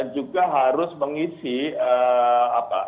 juga harus mengisi apa